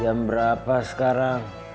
jam berapa sekarang